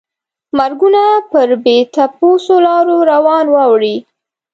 مرګونه پر بې تپوسو لارو روان واوړي.